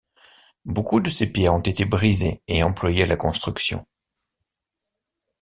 Beaucoup de ces pierres ont été brisées et employées à la construction.